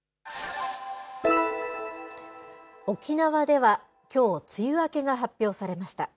沖縄できょう、梅雨明けが発表されました。